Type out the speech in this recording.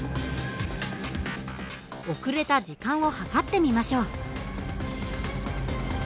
遅れた時間を計ってみましょう。